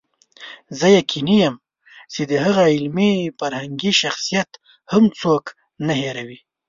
زه یقیني یم چې د هغه علمي فرهنګي شخصیت هم څوک نه هېروي.